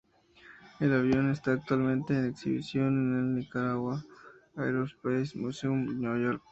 El avión está actualmente en exhibición en el Niagara Aerospace Museum, Nueva York.